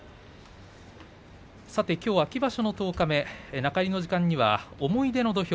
きょう秋場所は十日目中入りの時間には、思い出の土俵